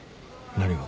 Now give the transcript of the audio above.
何が？